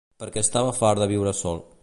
Perquè estava fart de viure sol.